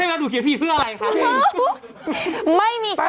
แค่ว่าจะถูกคุยกับพี่เพื่ออะไรค่ะ